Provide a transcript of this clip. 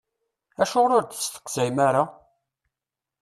Acuɣer ur d-testeqsayem ara?